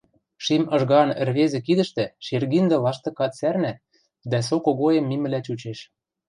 Шим ыжгаан ӹрвезӹ кидӹштӹ шергиндӹ лаштыкат сӓрнӓ дӓ со когоэм мимӹлӓ чучеш.